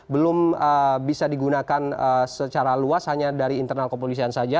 belum bisa digunakan secara luas hanya dari internal kepolisian saja